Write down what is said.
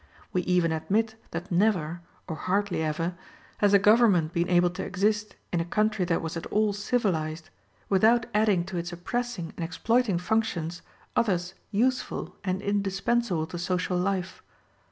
We even admit that never, or hardly ever, has a government been able to exist in a country that was at all civilized without adding to its oppressing and exploiting functions others useful and indispensable to social life.